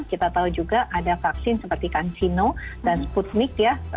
kita tahu juga ada vaksin seperti kansino dan sputmic ya